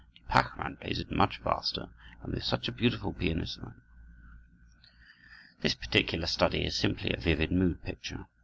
De Pachmann plays it much faster, and with such a beautiful pianissimo!" This particular study is simply a vivid mood picture.